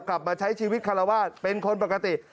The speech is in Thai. กลับมาใช้ชีวิตคารวาสเป็นคนปกติ